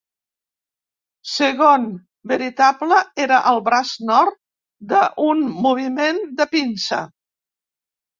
Segon, "Veritable" era el braç nord de un moviment de pinça.